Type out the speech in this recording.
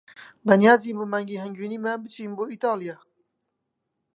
بەنیازین بۆ مانگی هەنگوینیمان بچین بۆ ئیتالیا.